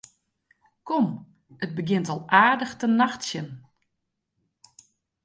Kom, it begjint al aardich te nachtsjen.